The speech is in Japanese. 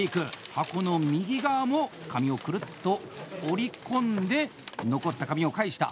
箱の右側も紙をくるっと折り込んで残った紙を返した。